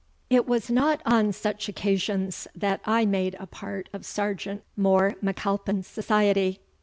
It was not on such occasions that I made a part of Sergeant More M'Alpin's society.